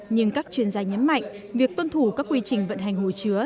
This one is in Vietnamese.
nhưng các chuyên gia nhấn mạnh việc tuân thủ các quy trình vận hành hồ chứa